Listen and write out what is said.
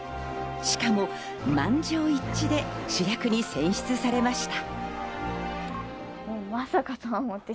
しかも満場一致で主役に選出されました。